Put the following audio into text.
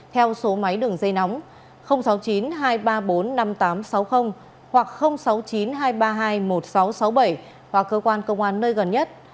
theo số máy đường dây nóng sáu mươi chín hai trăm ba mươi bốn năm nghìn tám trăm sáu mươi hoặc sáu mươi chín hai trăm ba mươi hai một nghìn sáu trăm sáu mươi bảy hoặc cơ quan công an nơi gần nhất